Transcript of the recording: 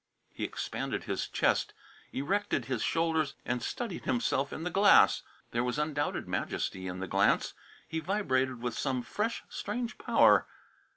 He expanded his chest, erected his shoulders and studied himself in the glass: there was undoubted majesty in the glance. He vibrated with some fresh, strange power.